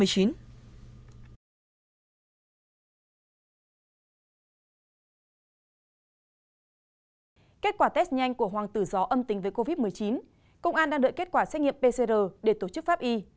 kết quả test nhanh của hoàng tử gió âm tính với covid một mươi chín công an đang đợi kết quả xét nghiệm pcr để tổ chức pháp y